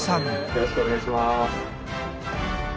よろしくお願いします。